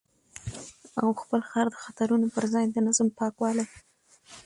او خپل ښار د خطرونو پر ځای د نظم، پاکوالي